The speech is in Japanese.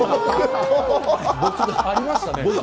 ありましたね。